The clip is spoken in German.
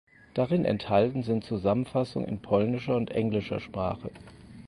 Darin enthalten sind Zusammenfassungen in polnischer und englischer Sprache.